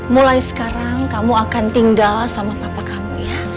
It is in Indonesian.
mulai sekarang kamu akan tinggal sama papa kamu ya